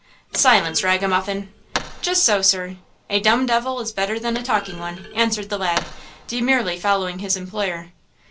"Silence, ragamuffin!" "Just so, sir! 'a dumb devil is better than a talking one!' " answered the lad, demurely following his employer.